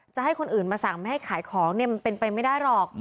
จะให้คนอื่นมาสั่งไม่ให้ขายของเนี่ยมันเป็นไปไม่ได้หรอก